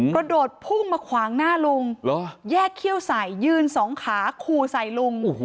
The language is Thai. เพราะโดดพุ่งมาขวางหน้าลุงแยกเขี้ยวสายยื่น๒ขาคูใส่ลุง